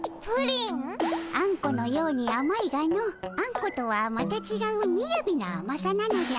アンコのようにあまいがのアンコとはまたちがうみやびなあまさなのじゃ。